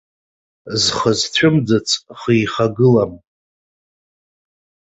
Зхы зцәымӡыц хы ихагылам.